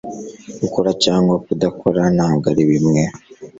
gukora cyangwa kudakora ntabwo ari bimwe